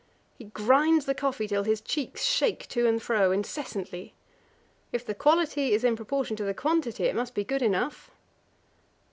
He grinds the coffee till his cheeks shake to and fro incessantly. If the quality is in proportion to the quantity, it must be good enough.